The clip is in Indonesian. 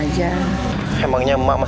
siapa yang ngeri teriak